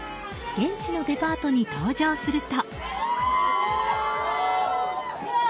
現地のデパートに登場すると。